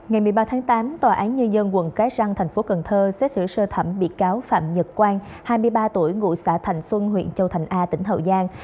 ngày một mươi ba tháng tám tòa án nhân dân quận cái răng thành phố cần thơ xét xử sơ thẩm bị cáo phạm nhật quang hai mươi ba tuổi ngụ xã thành xuân huyện châu thành a tỉnh hậu giang